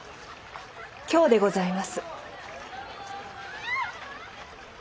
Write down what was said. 京でございます。